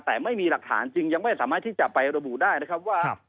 แต่ไม่มีหลักฐานจึงยังไม่สามารถที่จะไประบุได้นะครับว่า